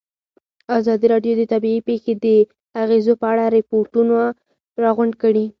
ازادي راډیو د طبیعي پېښې د اغېزو په اړه ریپوټونه راغونډ کړي.